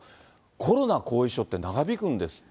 コロナ後遺症って長引くんですって。